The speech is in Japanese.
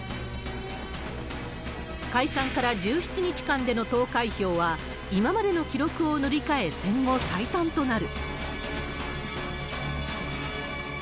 解散から１７日間での投開票は今までの記録を塗り替え、戦後最短となる。